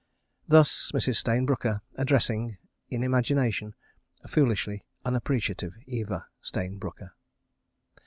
Thus Mrs. Stayne Brooker, addressing, in imagination, a foolishly unappreciative Eva Stayne Brooker.